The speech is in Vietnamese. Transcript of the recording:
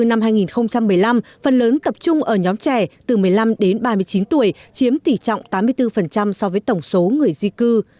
năm hai nghìn một mươi năm phần lớn tập trung ở nhóm trẻ từ một mươi năm đến ba mươi chín tuổi chiếm tỷ trọng tám mươi bốn so với tổng số người di cư